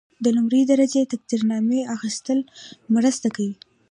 د لومړۍ درجې تقدیرنامې اخیستل مرسته کوي.